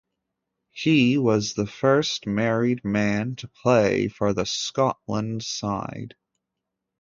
He was the first married man to play for the Scotland side.